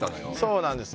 そうなんです。